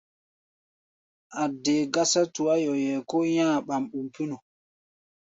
A̧ dee gásá tuá-yoyɛ kó nyá̧-a̧ ɓam-ɓum pínu.